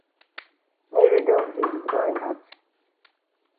Mary don gree wit all yi heart.